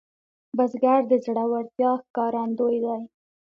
بزګر د زړورتیا ښکارندوی دی